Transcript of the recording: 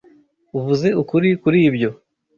Uvuze ukuri kuri ibyo.